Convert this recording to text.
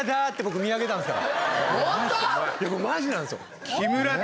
これマジなんですよ。